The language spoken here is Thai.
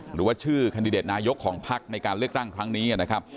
หรือว่าชื่อแคนดิเดตนายกของพักในการเลือกตั้งครั้งนี้นะครับ